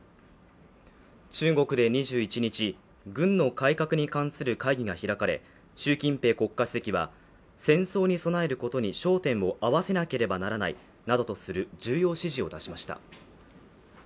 中国で２１日、軍の改革に関する会議が開かれ習近平国家主席は戦争に備えることに焦点を合わせなければならないなどとする重要指示を出しました。